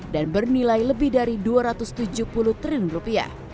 dan bernilai lebih dari rp dua ratus tujuh puluh triliun